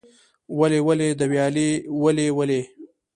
ولي ولې د ویالې ولې ولې؟